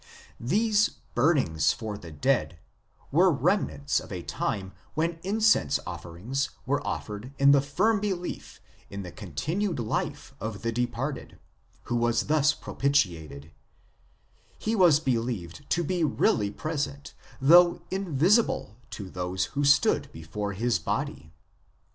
These " burnings for the dead " were remnants of a time when incense offerings were offered in the firm belief in the continued life of the departed, who was thus propitiated ; he was believed to be really present, though invisible to those who stood before his body.